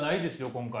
今回。